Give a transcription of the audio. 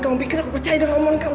kamu pikir aku percaya dengan oman kamu